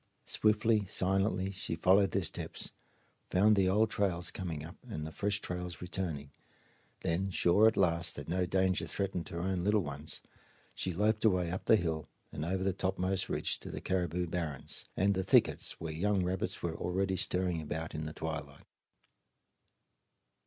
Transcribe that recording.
Swiftly, silently she followed their steps; found the old trails coming up and the fresh trails returning; then, sure at last that no danger threatened her own little ones, she loped away up the hill and over the topmost ridge to the caribou barrens and the thickets where young rabbits were already stirring about in the twilight.